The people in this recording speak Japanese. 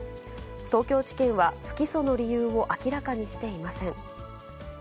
東京地検は不起訴の理由を明らかにしていません。